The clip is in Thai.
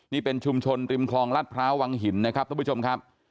นี่เป็นชุมชนริมคลองรัดพร้าววังหินนะครับทุกผู้ชมครับ